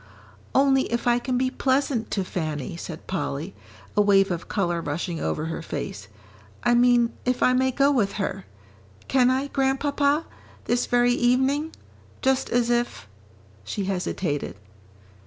"Only if I can be pleasant to Fanny," said Polly, a wave of colour rushing over her face. "I mean if I may go with her? Can I, Grandpapa, this very evening, just as if " she hesitated.